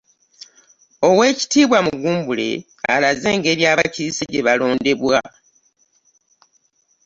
Oweekitiibwa Mugumbule alaze engeri abakiise gye balondebwa.